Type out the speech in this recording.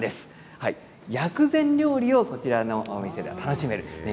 薬膳料理を、こちらのお店では楽しめるんです。